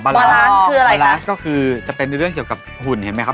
บาลานซ์คืออะไรบาลาสก็คือจะเป็นเรื่องเกี่ยวกับหุ่นเห็นไหมครับ